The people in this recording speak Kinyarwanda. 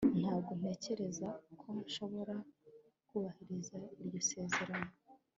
ntabwo ntekereza ko nshobora kubahiriza iryo sezerano